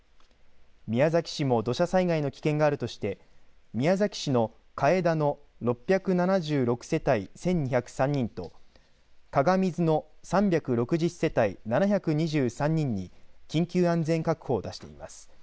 宮崎市も土砂災害の危険があるとして宮崎市の加江田の６７６世帯１２０３人と鏡洲の３６０世帯７２３人に緊急安全確保を出しています。